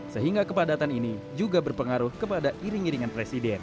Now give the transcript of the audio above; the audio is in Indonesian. sehingga kepadatan ini juga berpengaruh kepada iring iringan presiden